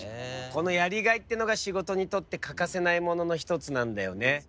このやりがいっていうのが仕事にとって欠かせないものの一つなんだよね。